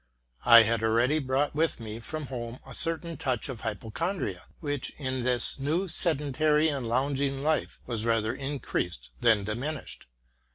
' I had already brought with me from home a certain touch of hypoc hondria, w hich, in this, new sedentary and lounging life, was rather increased than diminished.